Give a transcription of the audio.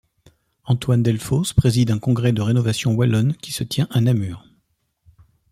Antoine Delfosse préside un congrès de Rénovation wallonne le qui se tient à Namur.